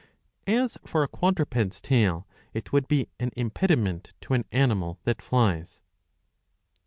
As for a quadruped's tail, it would be an impediment to an animal that flies.